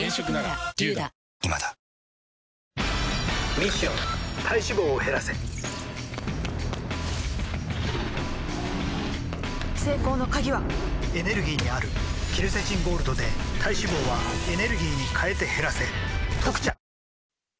ミッション体脂肪を減らせ成功の鍵はエネルギーにあるケルセチンゴールドで体脂肪はエネルギーに変えて減らせ「特茶」